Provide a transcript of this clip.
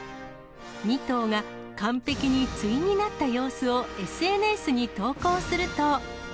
２頭が完璧に対になった様子をＳＮＳに投稿すると。